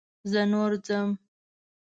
زه نور ځم.